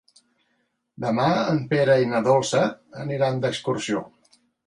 Demà en Pere i na Dolça aniran d'excursió.